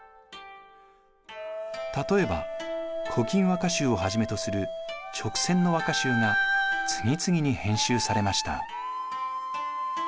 例えば「古今和歌集」をはじめとする勅撰の和歌集が次々に編集されました。